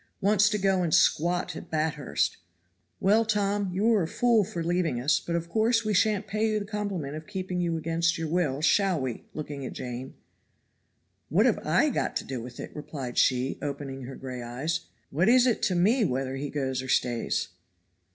Wants to go and squat at Bathurst. Well, Tom, you are a fool for leaving us, but of course we shan't pay you the compliment of keeping you against your will, shall we?" looking at Jane. "What have I to do with it?" replied she, opening her gray eyes. "What is it to me whether he goes or stays?"